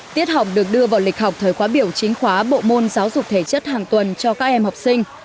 tiết học được đưa vào lịch học thời khóa biểu chính khóa bộ môn giáo dục thể chất hàng tuần cho các em học sinh